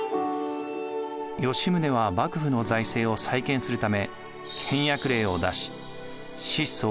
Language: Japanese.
吉宗は幕府の財政を再建するため倹約令を出し質素倹約を奨励。